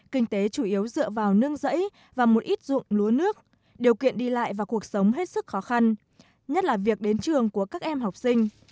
kinh tế chủ yếu dựa vào nương rẫy và một ít dụng lúa nước điều kiện đi lại và cuộc sống hết sức khó khăn nhất là việc đến trường của các em học sinh